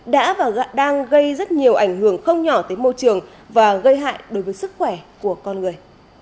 đã và đang gây rất nhiều ảnh hưởng không nhỏ tới môi trường và gây hại đối với sức khỏe của con người